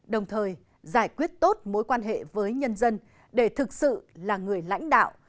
đồng thời giải quyết tốt mối quan hệ với nhân dân để thực sự là người lãnh đạo